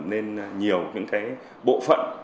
nên nhiều những cái bộ phận